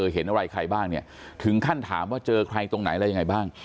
เห็นอะไรใครบ้างเนี่ยถึงขั้นถามว่าเจอใครตรงไหนอะไรยังไงบ้าง